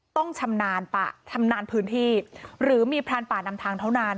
ต้องชำนาญป่าชำนาญพื้นที่หรือมีพรานป่านำทางเท่านั้น